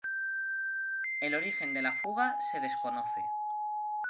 El origen de la fuga se desconoce.